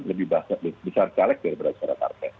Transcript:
lebih besar caleg daripada suara partai